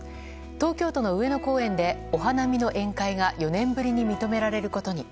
東京都の上野公園ではお花見の宴会が４年ぶりに認められることに。